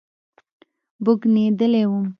بوږنېدلى وم.